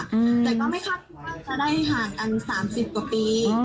แต่ก็ไม่คาดคิดว่าจะได้ห่างกัน๓๐กว่าปี